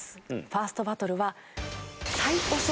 ファーストバトルは。